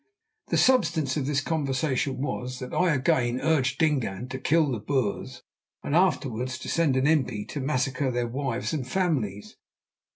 The substance of this conversation was that I again urged Dingaan to kill the Boers and afterwards to send an impi to massacre their wives and families.